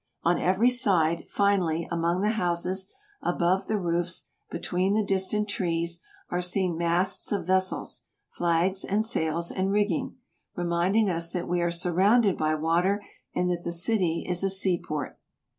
On every side, finally, among the houses, above the roofs, between the distant trees, are seen masts of vessels, flags, and sails and rigging, reminding us that we are sur rounded by water, and that the city is a seaport.